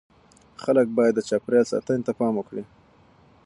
خلک باید د چاپیریال ساتنې ته پام وکړي.